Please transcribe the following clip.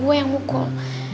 gue yang hukul